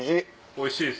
おいしい。